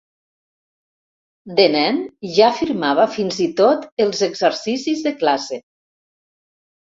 De nen ja firmava fins i tot els exercicis de classe.